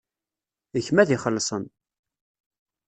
D kemm ad ixellṣen.